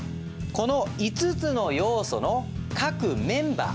この５つの要素の各メンバー